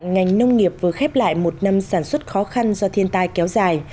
ngành nông nghiệp vừa khép lại một năm sản xuất khó khăn do thiên tai kéo dài